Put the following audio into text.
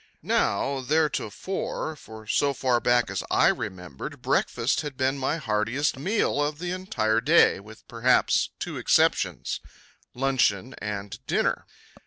Now, theretofore, for so far back as I remembered, breakfast had been my heartiest meal of the entire day, with perhaps two exceptions luncheon and dinner.